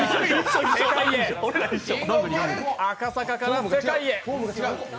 赤坂から世界へ。